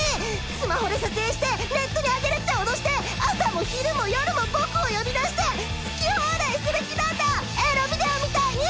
スマホで撮影してネットにあげるって脅して朝も昼も夜も僕を呼び出して好き放題する気なんだエロビデオみたいに！